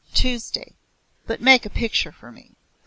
"Tuesday. But make a picture for me."